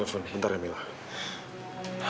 maaf mbak bentar mbak